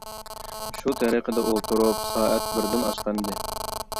شۇ تەرىقىدە ئولتۇرۇپ سائەت بىردىن ئاشقانىدى.